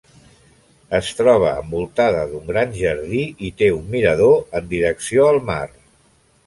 Es troba envoltada d'un gran jardí i té un mirador en direcció al mar.